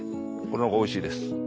これの方がおいしいです。